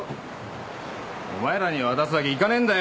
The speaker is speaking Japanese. お前らに渡すわけにいかねぇんだよ。